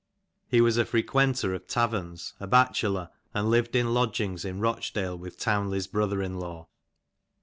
He was a frequenter of taverns, a bachelor, and lived in lodgings in Rochdale with Town ley's brother in law.